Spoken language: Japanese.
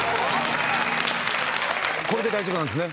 これで大丈夫なんですね？